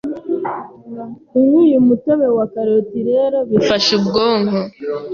Kunywa uyu mutobe wa karoti rero bifasha ubwonko